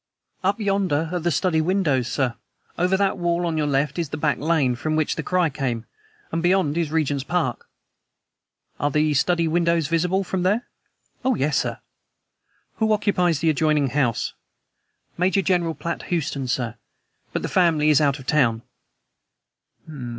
"Up yonder are the study windows, sir. Over that wall on your left is the back lane from which the cry came, and beyond is Regent's Park." "Are the study windows visible from there?" "Oh, yes, sir." "Who occupies the adjoining house?" "Major General Platt Houston, sir; but the family is out of town."